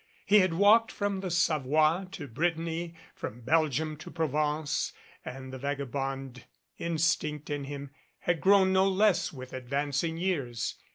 He had walked from the Sa voie to Brittany, from Belgium to Provence and the vagabond instinct in him had grown no less with advanc ing years.